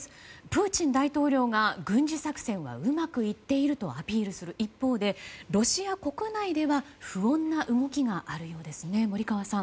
プーチン大統領が、軍事作戦はうまくいっているとアピールする一方でロシア国内では不穏な動きがあるようですね。